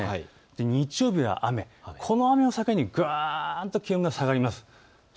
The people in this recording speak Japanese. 日曜日は雨、この雨を境にぐんと気温が下がります。